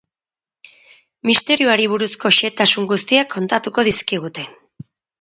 Misterioari buruzko xehetasun guztiak kontatuko dizkigute.